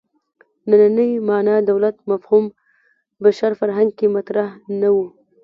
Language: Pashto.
نننۍ معنا دولت مفهوم بشر فرهنګ کې مطرح نه و.